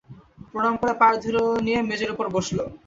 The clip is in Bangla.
প্রণাম করে পায়ের ধুলো নিয়ে মেজের উপর বসল।